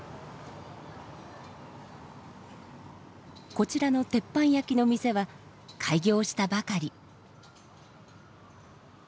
こちらの鉄板焼きの店は開業したばかり。